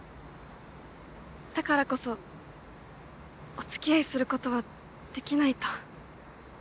だからこそお付き合いすることはできないと。